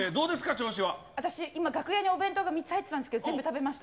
私、今、楽屋にお弁当が３つ入ってたんですけど、全部食べました。